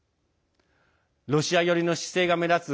ロシア寄りの姿勢が目立つ